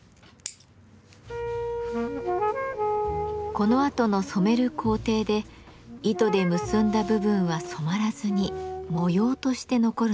このあとの染める工程で糸で結んだ部分は染まらずに模様として残るのです。